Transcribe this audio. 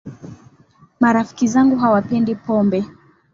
Marafiki zangu hawapendi pombe